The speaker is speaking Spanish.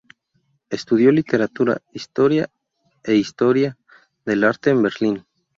Estudió Literatura, Historia e Historia del arte en Berlín.